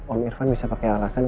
om irfan bisa pakai alasan